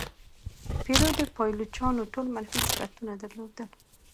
پیرو د پایلوچانو ټول منفي صفتونه درلودل.